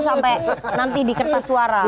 sampai nanti di kertas suara